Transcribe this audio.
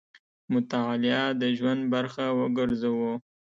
مطالعه د ژوند برخه وګرځوو.